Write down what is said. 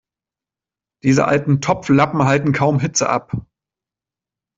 Diese alten Topflappen halten kaum Hitze ab.